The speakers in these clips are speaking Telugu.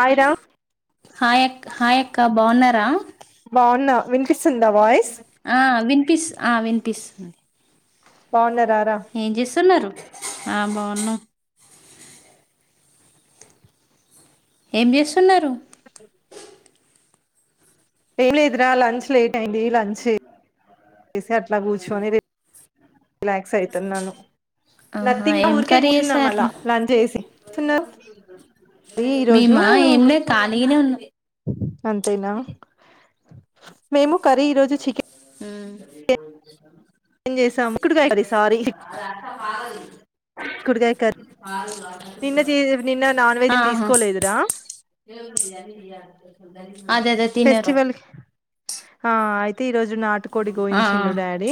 ఆయరా హాయక్ హాయక్క బాగున్నారా బాగున్నా వినిపిస్తుందా వాయిస్ ఆ వినిపిస్ ఆ వినిపిస్తుంది బాగుండ ఏం చేస్తున్నారు ఆ బను ఏం చేస్తున్నారు అ టలీ ఎదురా లంచ్ లలీట్ అయింది లంచంచ్ చేసి అట్లా కూర్చుొని రిలాక్స్ అయితున్నాను న ఆహా ఏం ఊరికే కర్రీ కూర్చున్నాం చేసారు అలా లంచ్ వేసి కూర్చున్నారు అరి ఈరోజు మేమా ఏం లేదు ఖాళీగానే ఉన్నా అంతేనా మేము కర్రీ ఈ రరోజు చికెన్ హ చేసాము చిక్కుడుకాయ కర్రీ సారీ రా చిక్కుడుకాయ కర్రీ మాల నిన్న చే నిన్న నాన్ వెజ్ ఏం ఆహా తీసుకోలేదురా అదే అదే తినేరు ఫెస్టివల్ ఆ అయితే ఈ రోజు నాటుకోడి యిించిండు డాడీ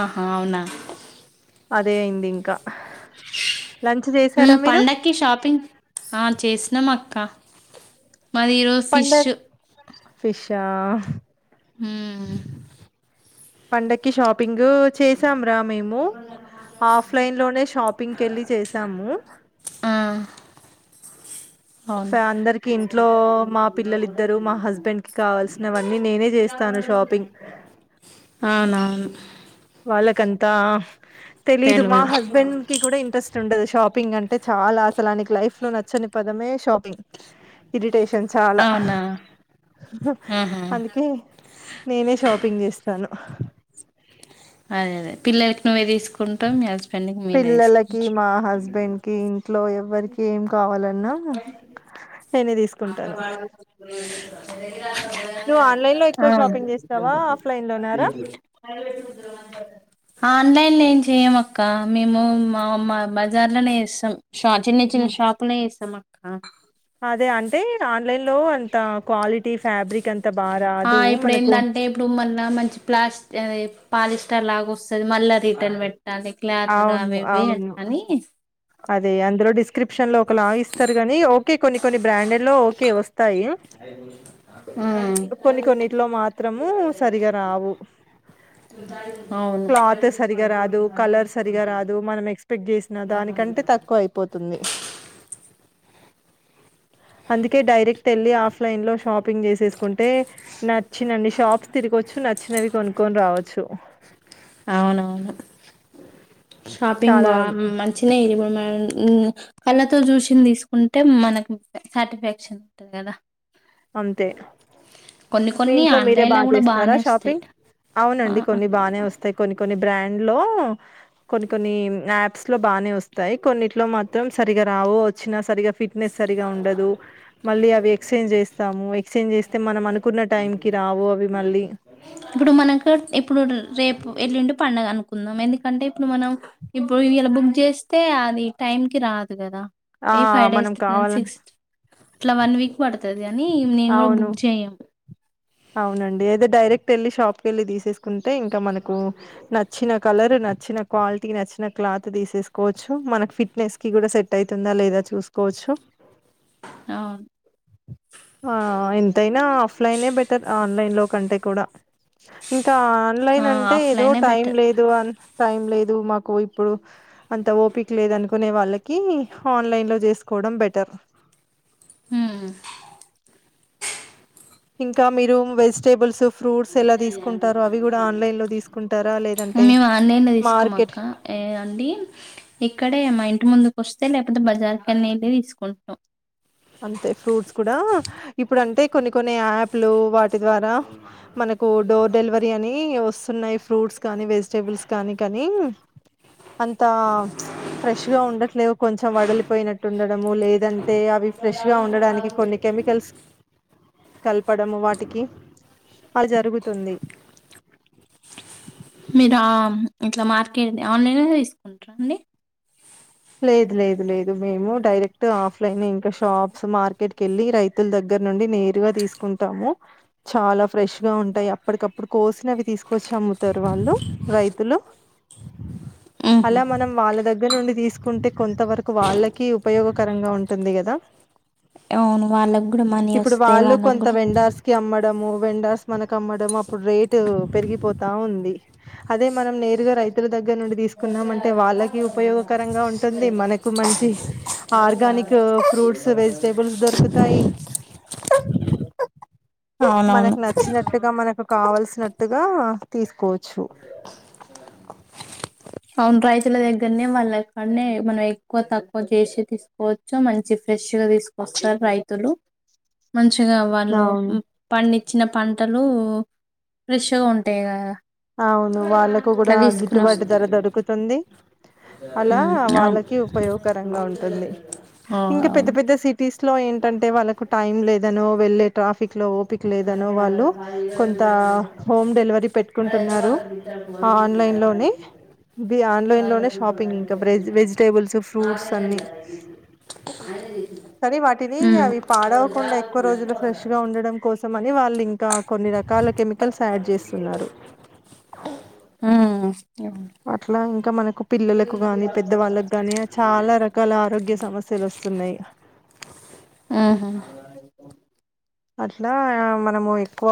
ఆహా అవునా అదే అయింది ఇంకా లంచ్ చేసారా మీరు పండకి షాపింగ్ ఆ చేసినాం అక్క మాదిరోజ పండగ ఫిష్ు ఫిషా హ పండక్ షాపింగ్ చేా మేలై షంగ్ వె చేాము ఆ అవును మా పిల్లలిద్దరు మా హస్బెండ్ కి కావాల్సినవన్నీ నేనే చేస్తాను షాపింగ్ అవునవును వాాలకంతా తెలీదు మా తెల్వదు హస్బెండ్ కి కూడా ఇంట్రెస్ట్ ఉండదు షాపింగ్ అంటే అంటే చాలా అసలు ఆనకు లైఫ్లో నచ్చని పదమే షాపింగ్ ఇరిటేషన్ చాలా అవునా ఆహా అందుకే నేనే షాపింగ్ చేస్తాను హ అదే అదే పిల్లలకి నువ్వే తీసుకుంటాం పిల్లలకి మా హస్బెండ్ కి ఇంట్లో ఎవ్వరికి ఏం కావాల న్నా నేనే తీసుకుంటాను నువ్వు ఆన్లైన్ లో ఎక్కువ ఆ షాపింగ్ చేస్తావా ఆఫ్లైన్ లోనారా ఆన్లన్ ఏం చెయమ ఆ కా మేము మా మా బజార్లోనే ఇస్తాం షా చిన్న చిన్న షాపుని సమక్క అదే అంటే ఆన్‌లైన్లో అంత క్వాలిటీ ఫ్యాబ్రిక్ అంత బాగా ఆ రాదు ఇప్పుడు మనకు ఏంటంటే ఇప్పుడు మళ మంచి ప్లాస్ ఆద పాలిస్టర్ లాగా వ స్తది మల్లా రిటర్న్ బెట్ అవును అవును అదే అందులో డిస్ స్క్రిప్షన్లో ఒకలా ఇస్తారు గాని ఓకే కొన్ని కొన్ని బ్రాండెడ్ లో ఓకే వస్ తాయి కొన్ని కొన్నిట్లో మాత్రము సరిగా రావు అవును క్లాత్ సరిగా రాదు కలర్ సరిగా రాదు మనం ఎక్స్పెక్ట్ చేసినా దానికంటే తక్కువ అయిపోతుంది అందుకే డైరెక్ట్ ఎళ్ళి ఆఫ్ లైన్ లో షాపింగ్ చేసేసుకుంటే నచ్చినన్ని షాప్స్ తిరిగొచ్చు నచ్ చ్చినవి కొనుక్కొని రావచ్చు అవునవును షాపింగ్ బా చాలా మంచినే ఇపు మ మ్మ్ మ్మ్ కళ్ళతో చూసిన్ తీసుకుంటే మనకు సాటిస్ఫాక్షన్ ఉంటుంది కదా అంతే కొన్ని మీ కొన్ని ఇంట్లో మీరే ఆన్లైన్లో బాగా కూడా చేస్తారా బాగానే వస్తాయి షాపింగ్ ఆ, అవునండి కొన్ని బానే వస్తాయి కొన్ని కొన్ని బ్రాండ్ లో కొన్ని కొన్ని యాప్స్ లో బానే వస్తాయి కొన్నిట్లో మాత్రం సరిగా రావు వచ్చిన సరిగా ఫిట్ లే సరిగా ఉండదు మళ్ళీ అవి ఎక్సేంజ్ చేస్తాము ఎక్స్చేంజ్ చేస్తే మనం అను ఇప్పుడు మనకు ఇప్పుడు రేపు ఎల్లుండి పండగ అను కుందం ఎందుకంటే ఇప్పుడు మనం ఇప్పుడు ఇయ్యాల బుక్ చేస్తే అది టైం కి రాదు కదా ఆ! ఏ ఫైవ్ డేస్ మనం ను కావాలని సిక్స్త్ అట్లా వన్ వీక్ పడుతది గాని నేను కూడా అవును. బుక్ చెయ్యము అవునండి అయితే డైరెక్ట్ ఎళ్ళి షాప్కి ఎళ్ళి తీసేస్ కుంటే ఇంకా మనకు నచ్చిన కలర్ ర్ర్ నచ్చిన క్వాలిటీ నచ్చిన క్లాత్ తీసేసుకోవచ్చు మనకి ఫిట్నెస్ కి కూడా సెట్ అయితుందా లేదా చూసుకోవచ్చు అవును. ఆ ఎంతైనా ఆఫ్లైనే పెట్ ఆన్లైన్ లో కంటే కూడా ఇంకా ఆ ఆన్లైన్ అంటే ఏదో ఆఫ్లైనే టైం బెటర్ లేదు అ టైం లేదు మాకు ఇప్పుడు అంత ఓపిక లేదు అనుకునే వాళ్ళకి ఆన్లైన్ లో చేసుకోవడం బెటర్ హ ఇంకా మీరు వెజిటేబుల్స్ ఫ్రూట్స్ ఎలా తీసుకుంటారో అవి కూడా ఆన్లైన్ లో తీసుకుంటారా లేదంటే మేము ఆన్లైన్ లో తీసుకోం మార్కెట్ అక్క ఏ అండి ఇక్కడే ఇంటి ముందుక వస్తే లేకపోతే బజార్ కెళ్ి వెళ్ళి తీసుకుంటాం అంతే ఫ్రూట్స్ కూడా ఇప్పుడు అంటే కొన్ని కొన్ని యాప్లు వా ద్వారా మనకు డోర్ డెలివరీ అని వస్తున్నాయి ఫ్రూట్స్ కానీ వెజిటబుల్స్ కానీ కానీ అంత ఫ్రెష్ గా ఉండట్లేదు కొంచం ం వడలిపోయినట్టుండ లేదంటే అవి ఫ్రెష్ గా ఉండడానికి కొన్ని కెమికల్స్ కలపడం వాటికి అలా జరుగుతు ంది మీరు ఇట్లా మార్కెట్ ఆన్లైన్ తీసుకుంటార అండి లేదు లేదు లేదు మేము డైరెక్ట్ ఆఫ్లైన్ ఇంకా షాప్స్ మార్కెట్ క వెళ్ళి రైతుల దగ్గర నుండి నేరుగా తీసుకుంటాము చాలా ఫ్రెష్ గా ఉంటాయి అప్పటికప్పుడు కోసిన అవి తీసుకొచ్చి అమ్ముతారు వాళ్ళు రైతులు అలా మ్మ్హ్మ్. మనం వాళ్ళ దగ్గర నుండి తీసు ఉంటే కొంత వరకు వాళ్ళకి ఉపయోగకరంగా ఉంటుంది కదా అవును వాళ్ళకు కూడా మనీ ఇప్పుడు వస్తే వాళ్ళకు కూడా మనమ్ అప్పుడు రేట్ పెరిగిపోతా ఉంది అదే మనం నేరుగా రైతు దగ్గర నుండి తీసుకున్నాం అంటే వాళ్ళకి ఉపయోగకరంగా ఉంట మనకు మంచి ఆర్గానిక్ ఫ్రూట్స్ వెజిటబుల్స్ దొకుతాయి అవునవును మనకు నచ్చినట్టుగా మనకు కాసినట్టుగా తీర్ కోచు అవును రైతుల దగ్గరనే వాళ్ళ అక్కడనే మనం ఎక్కువ తక్కువ చేసి తీసుకోవచ్చు మంచి ఫ్రెష్గా తీసుకొస్తారు రైతులు మంచి పచ్చగా వాళ్ళు అవును పండి చిన్న పంటలు ఫ్రెష్గా ఉంటాయి కదా అవును వాళ్ళకు అట్లా కూడా తీసుకుని గిట్టుబాటు వస్తా ధర దొరుకుతుంది అలా మ్మ్. అవును వాళ్ళకి ఉపయోగకరంగా ఉంటుంది ఆ ఇంకా పెద్ద అవును పెద్ద సిటీస్ లో ఏంటంటే వాళ్ళకు టైం లేదనో వెళ్ళే ట్రాఫిక్ లో లేదనే వాళ్ళు కొంత హోమ్ డెలివరీ కొంటున్నారు ఆన్లైన్ లోనే ఇది ఆన్లైన్ లోనే షాపింగ్ ఇంకా వెజిటబుల్స్ ఫ్రూట్ అన్ని కానీ వాటిని మ్మ్. అవి పాడవకుండా ఎక్కువ రోజులు ఫ్రెష్ గా ఉండడం కోసం మని వాళ్ళు ఇంకా కొన్ని రకాల కెమికల్స్ యాడ్ చేస్తున్నారు హ ఆ క మానా పిల్లలకు గాని పెద్ద వాళ్ళకు గాని చాలా రకాల ఆరోగ్య సమస్యలు వస్తున్నాయి అట్లా మనము ఎక్కువ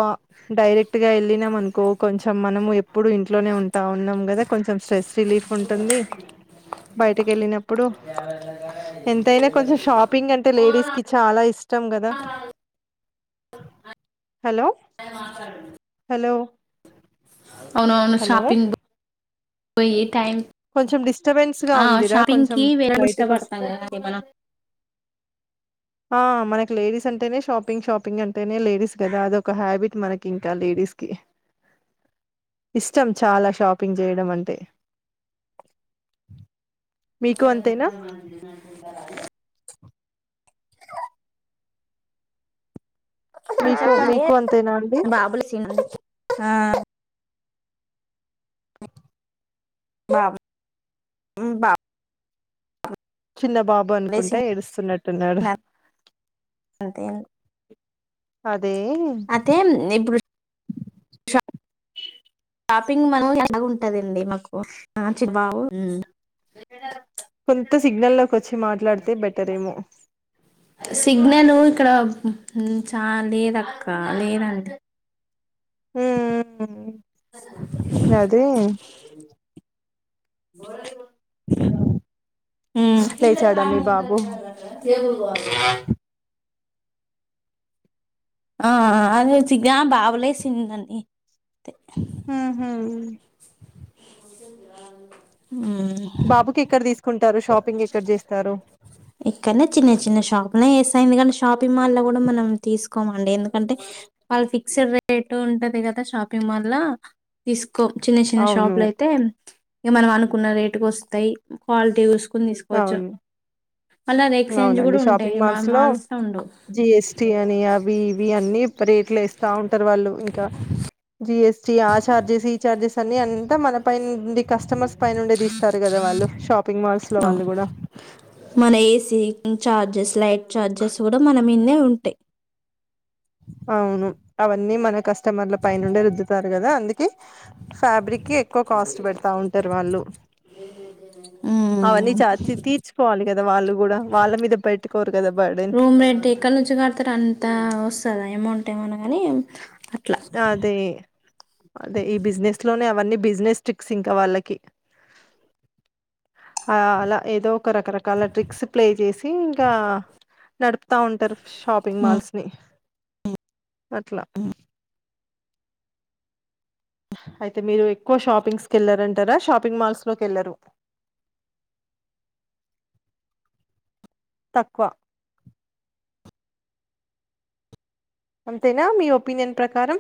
డైరెక్ట్ గా వెళ్ళినాం అనుకో కొంచెం మనము ఎప్పుడు ఇంట్లోనే ఉంటా ఉన్నాం కదా కొంచెం స్ట్రెస్ రిలీఫ్ ఉంటుంది బయటకి వెళ్ళినప్పుడు ఎంతైనా కొంచెం షాపింగ్ అంటే లేడీస్ కి చాలా ఇష్టం ష్టం కదా హలో మాట్లాడండి హలో అవును అవును హలో షాపింగ్ పోయి టైమ్ కొంచెం డిస్టర్బెన్స్ గా ఉందిరా కొంచెం షాపింగ్కి వేర బయటకి ఇష్టపడతాం వస్తే కద మనం ఆ మనకి లేడీస్ అంటేనే షాపింగ్ షాపింగ్ అంటేనే లేడీస్ కదా అదొక హ్యాబిట్ మనకి ఇంకా లేడీస్ కి ఇష్టం చాలా షాపింగ్ చేయడం అంటే [unintelligible] మీకు ఇంకా అంతేనా? రాలే మీకు చెప్పండి ఏ మీకు అంతేనా అండి? బాబుల సీ [unintelligible] హా పాప్ బాబ్ చిన్న బాబు అనుకుంట బాబులేసింది ఏడుస్తున్నట్టున్నాడు ఆ అదే నిబృ షాపింగ్ మనం ఎలా ఉంటదండి మాకు చిన బా కొంత సిగ్నల్ వచ్చి మాట్లాడితే బెటర్ ఏమో సిగ్నల్ ఇక్కడ చ లేద అక్క లేదండి హ అ అది [unintelligible] లేచాడ మీ బాబు ఏ బ ఆ అది రుచగా బావలేసిందని హుహు [unintelligible] బాబు కిక్కడ తీస్ ఇక్కనే చిన్ని చిన్న షాప్ ల చేస్తా ఎందుకంటే షాపింగ్ మాల్ కూడా మనం తీసుకోమండి ఎందుకంటే వాళ్ళ ఫిక్స్డ్ రేట్ ఉంటది కదా షాపింగ్ మాల్ ల తీసు చిన్న చిన్న అవును. షాపులు అయితే ఇగ మనం అనుకున్న రేటుకు వస్తాయి క్వా లిటీ అవును ఎక్స్చేంజ్ అవునండి కూడా ఉంటాయి. షాపింగ్ మా మాల్స్ లో ఉండవు. జిఎస్టి అని అవి ఇవి అన్ని రేట్ ఇట్లా ఇస్తా ఉంటారు వాళ్ళు ఇంకా జిఎస్ ఇటీ ఆ చార్జెస్ ఈ చార్జెస్ అన్ని అంతా మన పైనుండి కస్టమర్స్ పైనుండే తీస్తారు కదా వాళ్ళు షాపింగ్ మాల్స్ లో వాళ్ళు కూడా మన ఏసీ చార్జెస్ స్లైట్ చార్జెస్ కూడా మన మీదనే ఉంటాయి అవును అవన్నీ మన కస్టమర్ల పై నుండే రుద్దుతారు కదా అందుకే ఫ్యాబ్రిక్ ఎక్కువ కాస్ట్ పెడతా ఉంటారు వాళ్ళు అవన్నీ మ్ చార్చి తీర్చుకోవాలి కదా వాళ్ళు కూడా వాళ్ళ మీద పెట్టుకోరు కదా బర్డన్ రూమ్ సదాయం అమౌంట్ ఏమన్నా కానీ అట్లా అదే అదే ఈ బిజినెస్ లోనే అవన్నీ బిజినెస్ ట్రిక్స్ ఇంకా వాళ్ళకి అలా ఏదో ఒక రకరకాల ట్రిక్స్ ప్లే చేసి ఇంకా నపు వస్తా ఉంటారు షాపిింగ్ మ్ మల్స్ ని అట్లా అయితే మీరు ఎక్కువ షాపింగ్స్కి వెళ్లారంటారా షాపింగ్ మాల్స్ లోకి వెళ్ళరు తక్కువ అంతేనా మీ ఒపీనియన్ ప్రకారం